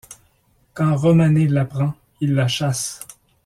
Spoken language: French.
Quand Romanay l'apprend, il la chasse.